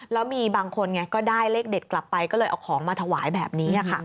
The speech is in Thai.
แล้วมีบางคนไงก็ได้เลขเด็ดกลับไปก็เลยเอาของมาถวายแบบนี้ค่ะ